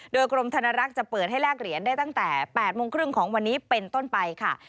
โดยกรมธนรักษ์จะเปิดให้แลกเหรียญได้ตั้งแต่๘โมงครึ่งของวันนี้เป็นต้นไปค่ะ